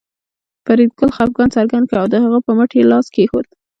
فریدګل خپګان څرګند کړ او د هغه په مټ یې لاس کېښود